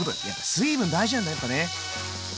水分大事なんだやっぱね。